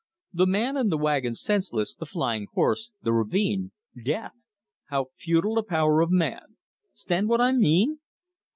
The man in the wagon senseless, the flying horse, the ravine, death! How futile the power of man 'stand what I mean?"